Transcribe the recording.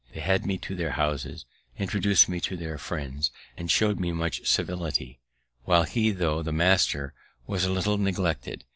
They had me to their houses, introduced me to their friends, and show'd me much civility; while he, tho' the master, was a little neglected.